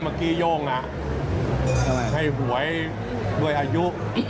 เมื่อกี้โย่งให้หวยด้วยอายุ